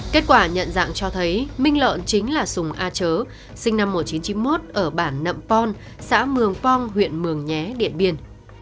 kết quả nhận dạng cho thấy minh lợn chính là sùng a chớ sinh năm một nghìn chín trăm chín mươi một ở bản nậm pon xã mường pong huyện mường nhé điện biên